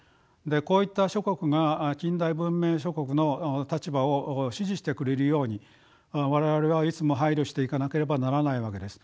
こういった諸国が近代文明諸国の立場を支持してくれるように我々はいつも配慮していかなければならないわけです。